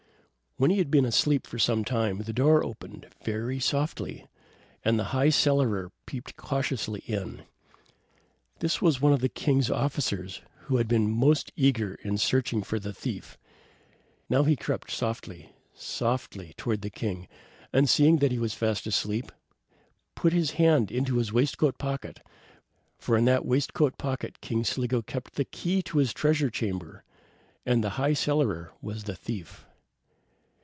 When he had been asleep some time, the door opened, very softly, and the High Cellarer peeped cautiously in. This was the one of the king's officers who had been most eager in searching for the thief. He now crept softly, softly, toward the king, and seeing that he was fast asleep, put his hand into his waistcoat pocket; for in that waistcoat pocket King Sligo kept the key of his treasure chamber, and the High Cellarer was the thief.